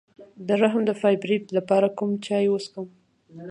د رحم د فایبرویډ لپاره کوم چای وڅښم؟